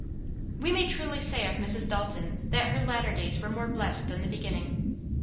We may truly say of Mrs. Dalton, that her "latter days were more blessed than the beginning."